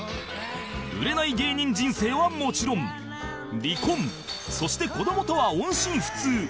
売れない芸人人生はもちろん離婚そして子どもとは音信不通